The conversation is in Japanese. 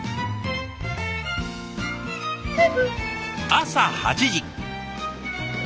朝８時。